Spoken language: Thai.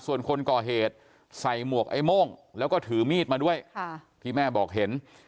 ส่วนคนก่อเหตุใส่หมวกไอ้โม่งแล้วก็ถือมีดมาด้วยที่แม่บอกเห็น